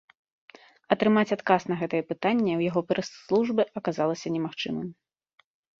Атрымаць адказ на гэтае пытанне ў яго прэс-службе аказалася немагчымым.